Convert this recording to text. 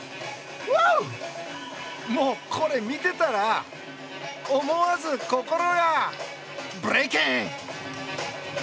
もう、これ見てたら思わず心がブレイキン！